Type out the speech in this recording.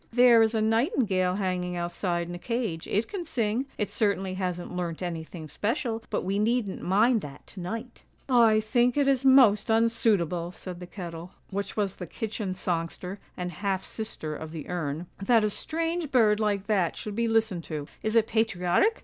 ' There is a nightingale hanging outside in a cage, it can sing; it certainly hasn't learnt anything special, but we needn't mind that to night.' ' I think it is most unsuitable,' said the kettle, which was the kitchen songster, and half sister of the urn, ' that a strange bird like that should be listened to! Is it patriotic?